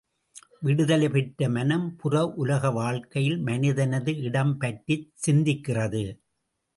விடுதலை பெற்ற மனம் புற உலக வாழ்க்கையில் மனிதனது இடம் பற்றிச் சிந்திக்கிறது.